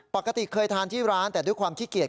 ปกติเคยทานที่ร้านแต่ด้วยความขี้เกียจ